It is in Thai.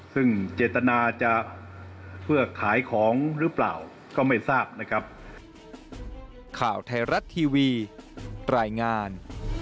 ซึ่งเจตนาจะเพื่อขายของหรือเปล่าก็ไม่ทราบนะครับ